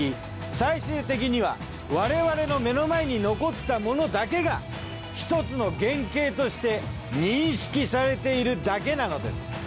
最終的には我々の目の前に残ったものだけがひとつの原形として認識されているだけなのです。